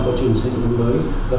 bắt đầu tính đến trong quá trình